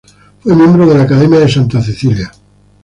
Fue miembro de la Academia de Santa Cecilia.